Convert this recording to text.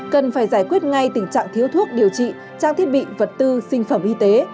cần phải giải quyết ngay tình trạng thiếu thuốc điều trị trang thiết bị vật tư sinh phẩm y tế